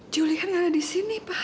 juli kan ada di sini pak